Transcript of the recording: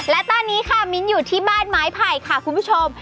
และตอนนี้ค่ะมิ้นอยู่ที่บ้านไม้ไผ่ค่ะคุณผู้ชม